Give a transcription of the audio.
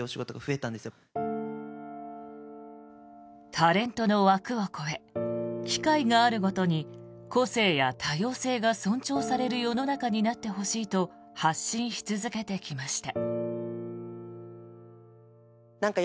タレントの枠を超え機会があるごとに個性や多様性が尊重される世の中になってほしいと発信し続けてきました。